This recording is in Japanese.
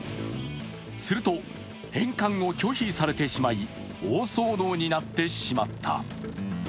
すると、返還を拒否されてしまい、大騒動になってしまった。